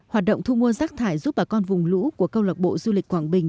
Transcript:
hoạt động thu mua rác thải giúp bà con vùng lũ của câu lạc bộ du lịch quảng bình